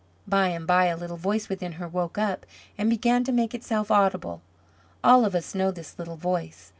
By and by a little voice within her woke up and began to make itself audible. All of us know this little voice.